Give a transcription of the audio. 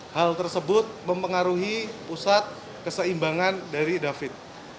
hal tersebut mempengaruhi pusat keseimbangan dari david